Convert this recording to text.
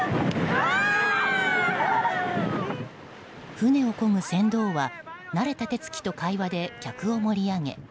船をこぐ船頭は慣れた手つきと会話で客を盛り上げ